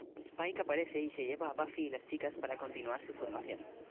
Spike aparece y se lleva a Buffy y las chicas para continuar su formación.